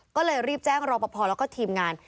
ก็เลยรีบแจ้งรอปภแล้วก็ทีมงาน